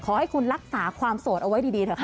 ขอให้คุณรักษาความโสดเอาไว้ดีเถอะค่ะ